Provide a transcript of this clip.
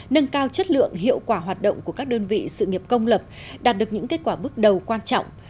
nâng cao chất lượng hiệu quả hoạt động của các đơn vị sự nghiệp công lập đạt được những kết quả bước đầu quan trọng